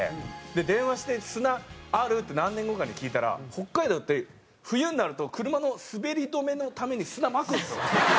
電話して「砂ある？」って何年後かに聞いたら北海道って冬になると車の滑り止めのために砂まくんですよ。